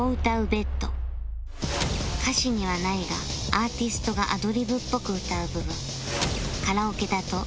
歌詞にはないがアーティストがアドリブっぽく歌う部分